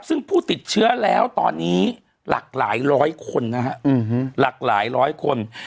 ซึ่งผู้ติดเชื้อแล้วตอนนี้หลากหลายร้อยคนนะฮะหลากหลายร้อยคน